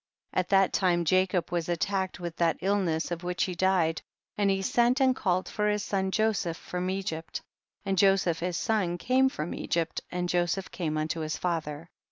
2. At that time Jacob was attack ed with that illness of w^hich he died, and he sent and called for his son Joseph from Egypt, and Joseph his son came from Egypt, and Joseph came unto his father.